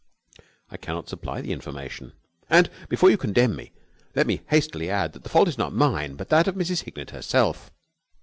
I cannot supply the information. And, before you condemn me, let me hastily add that the fault is not mine but that of Mrs. Hignett herself.